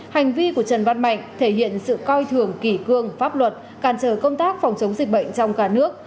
hành vi của trần văn mạnh thể hiện sự coi thường kỷ cương pháp luật càn trở công tác phòng chống dịch bệnh trong cả nước